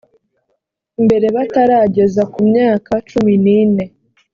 mbere batarageza ku myaka cumi n ine